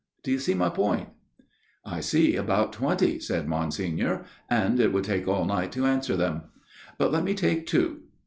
Do you see my point ?"" I see about twenty," said Monsignor. " And 'it would take all night to answer them. But let me take two.